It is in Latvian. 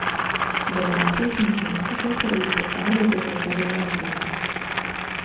Bez rāpošanas mistakokarīdi var pārvietoties arī lēcieniem.